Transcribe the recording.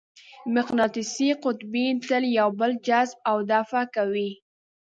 مقناطیسي قطبین تل یو بل جذب او دفع کوي.